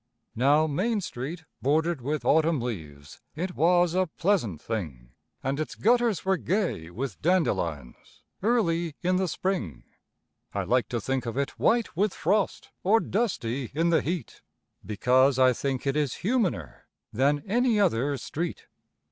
Now, Main Street bordered with autumn leaves, it was a pleasant thing, And its gutters were gay with dandelions early in the Spring; I like to think of it white with frost or dusty in the heat, Because I think it is humaner than any other street.